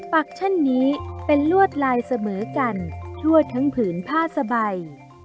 ปักเช่นนี้เป็นลวดลายเสมอกันทั่วทั้งผืนผ้าสบาย